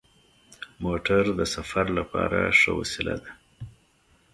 موټر د سفر لپاره ښه وسیله ده.